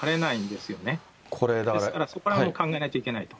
ですから、そこらへんを考えないといけないと。